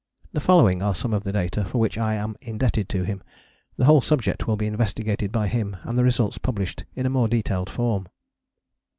The following are some of the data for which I am indebted to him: the whole subject will be investigated by him and the results published in a more detailed form.